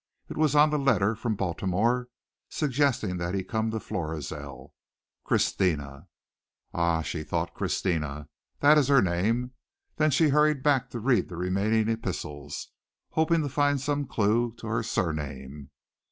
It was on the letter from Baltimore suggesting that he come to Florizel "Christina." "Ah," she thought, "Christina! That is her name." Then she hurried back to read the remaining epistles, hoping to find some clue to her surname.